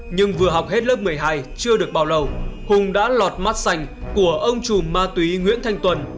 nhưng vừa học hết lớp một mươi hai chưa được bao lâu hùng đã lọt mắt xanh của ông chùm ma túy nguyễn thanh tuần